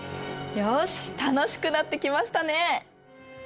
よし楽しくなってきましたね。